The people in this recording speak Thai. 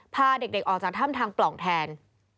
พาเด็กออกจากถ้ำทางปล่องแทน